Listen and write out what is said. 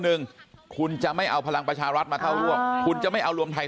หนึ่งคุณจะไม่เอาพลังประชารัฐมาเข้าร่วมคุณจะไม่เอารวมไทย